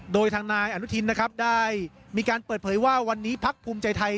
โดยทางนายอนุทินนะครับได้มีการเปิดเผยว่าวันนี้พักภูมิใจไทย